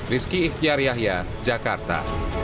rizky ikhtiar yahya jakarta